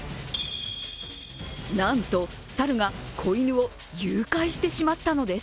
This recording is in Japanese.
なんと、猿が子犬を誘拐してしまったのです。